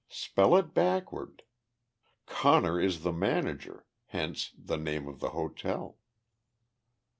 Spell it backward. Conner is the manager hence the name of the hotel."